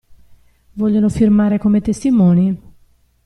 Vogliono firmare come testimoni?